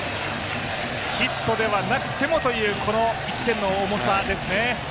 ヒットではなくてもという、この１点の重さですね。